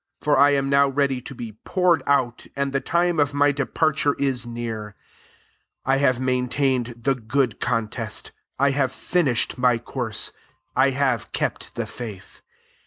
6 Foil I am now ready to be poured out, and the time of my departure is neaK 7 I have maintained the good contest, I have finished my course, 1 have kept the faith.